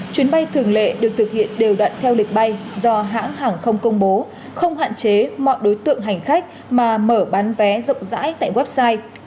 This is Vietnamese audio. chuyến bay thường lệ được thực hiện đều đoạn theo lịch bay do hãng hàng không công bố không hạn chế mọi đối tượng hành khách mà mở bán vé rộng rãi tại website